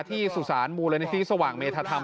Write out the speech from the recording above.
สุสานมูลนิธิสว่างเมธธรรม